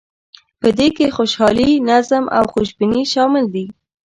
په دې کې خوشحالي، نظم او خوشبیني شامل دي.